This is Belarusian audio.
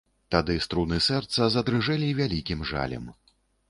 Тады струны сэрца задрыжэлі вялікім жалем.